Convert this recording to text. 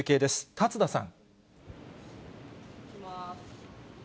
辰田さん。